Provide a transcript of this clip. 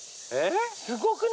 すごくない？